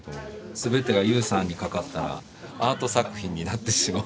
全てが雄さんにかかったらアート作品になってしまう。